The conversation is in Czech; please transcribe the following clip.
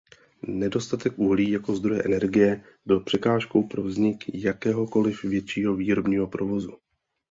Nedostatek uhlí jako zdroje energie byl překážkou pro vznik jakéhokoliv většího výrobního provozu.